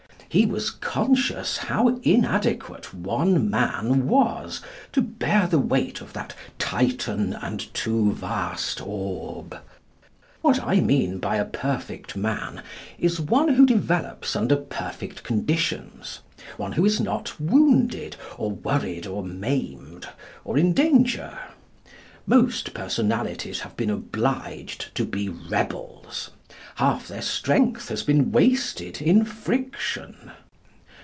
He was conscious how inadequate one man was to bear the weight of that Titan and too vast orb. What I mean by a perfect man is one who develops under perfect conditions; one who is not wounded, or worried or maimed, or in danger. Most personalities have been obliged to be rebels. Half their strength has been wasted in friction.